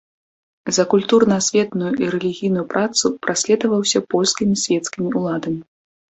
За культурна-асветную і рэлігійную працу праследаваўся польскімі свецкімі ўладамі.